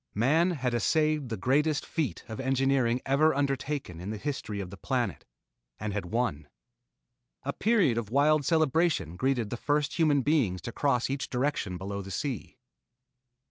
Man had essayed the greatest feat of engineering ever undertaken in the history of the planet, and had won. A period of wild celebration greeted the first human beings to cross each direction below the sea.